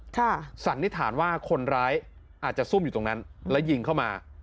สันนิษฐานว่าคนร้ายอาจจะซุ่มอยู่ตรงนั้นแล้วยิงเข้ามา